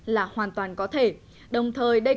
là hoàn toàn có thể đồng thời đây